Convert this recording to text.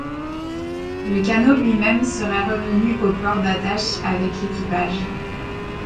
Le canot lui-même serait revenu au port d'attache avec l'équipage.